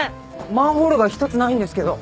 マンホールが１つないんですけど。